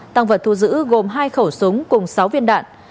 tăng vật thu giữ gồm hai khẩu súng cùng sáu viên đạn